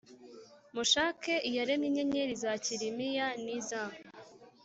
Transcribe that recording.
mushake Iyaremye inyenyeri za Kilimiya n iza